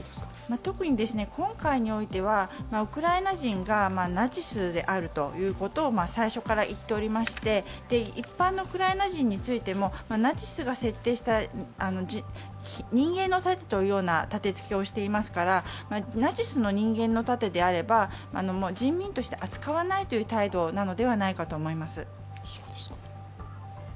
特に今回においては、ウクライナ人がナチスであるということを最初から言っておりまして、一般のウクライナ人についてもナチスが設置した人間の盾というような立てつけをしていますから、ナチスの人間の盾であれば人民として扱わないという態度なのではないかと思います。